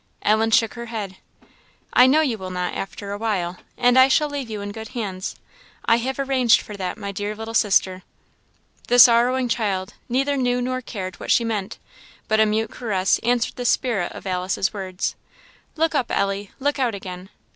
Ellen shook her head. "I know you will not, after a while; and I shall leave you in good hands I have arranged for that, my dear little sister!" The sorrowing child neither knew nor cared what she meant, but a mute caress answered the spirit of Alice's words. "Look up, Ellie look out again.